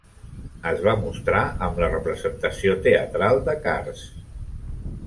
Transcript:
Es va mostrar amb la representació teatral de "Cars".